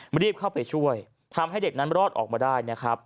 รีบเข้าไปช่วยทำให้เด็กนั้นรอดออกมาได้นะครับ